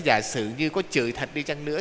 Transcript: giả sử như có chửi thật đi chăng nữa